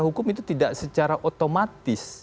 hukum itu tidak secara otomatis